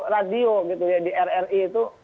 radio gitu ya di rri itu